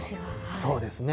そうですね。